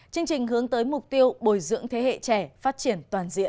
chương trình hướng tới mục tiêu bồi dưỡng thế hệ trẻ phát triển toàn diện